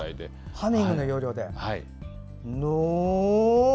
ハミングの要領で。